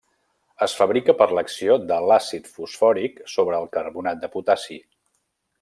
Es fabrica per l'acció de l'àcid fosfòric sobre el carbonat de potassi.